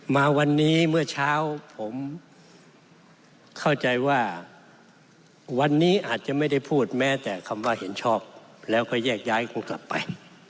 มาวันนี้เมื่อเช้าผมเข้าใจว่าวันนี้อาจจะไม่ได้พูดแม้แต่คำว่าเห็นชอบแล้วก็แยกย้ายคุณกลับไป